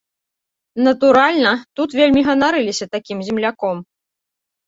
Натуральна, тут вельмі ганарыліся такім земляком.